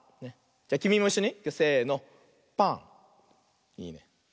じゃきみもいっしょに。